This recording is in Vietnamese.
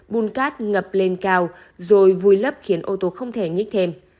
bùn cát ngập lên cao rồi vùi lấp khiến ô tô không thể nhích thêm